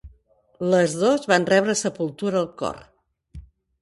Les dos van rebre sepultura al cor.